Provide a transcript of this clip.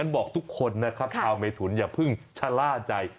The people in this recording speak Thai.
บอกทุกคนนะครับชาวเมถุนอย่าเพิ่งชะล่าใจ